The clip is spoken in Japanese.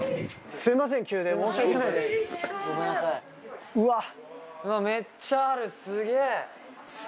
すみません、急で、申し訳ないです。